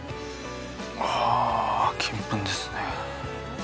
あぁ金粉ですね。